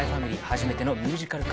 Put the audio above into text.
初めてのミュージカル化